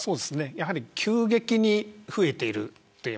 やはり急激に増えている。